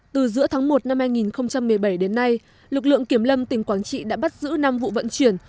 từ giữa tháng một năm hai nghìn một mươi bảy đến nay lực lượng kiểm lâm tỉnh quảng trị đã bắt giữ năm vụ vận chuyển